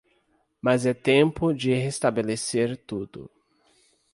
mas é tempo de restabelecer tudo.